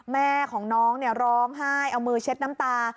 แม่ของน้องร้องไห้เอามือเช็ดน้ำตา